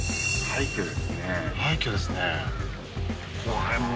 廃墟ですね